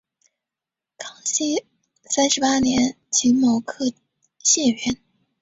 康熙三十八年己卯科解元。